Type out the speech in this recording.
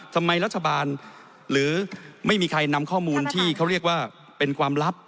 ทำไมรัฐบาลหรือไม่มีใครนำข้อมูลที่เขาเรียกว่าเป็นความลับ